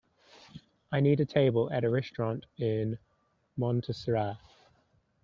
I need a table at a restaurant in Montserrat